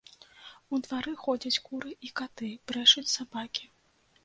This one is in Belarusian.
У двары ходзяць куры і каты, брэшуць сабакі.